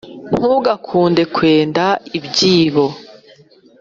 Tuganduka twenda ibyibo